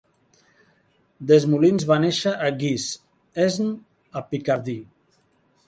Desmoulins va néixer a Guise, Aisne, a Picardy.